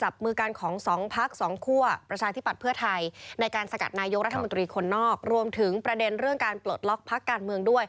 โปรดติดตามตอนต่อไป